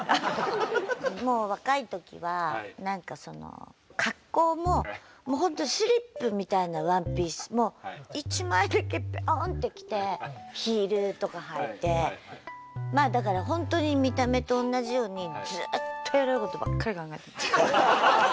もう若いときは何かその格好ももう本当スリップみたいなワンピース一枚だけペロンって着てヒールとか履いてまあだから本当に見た目と同じようにずっとエロいことばっかり考えてました。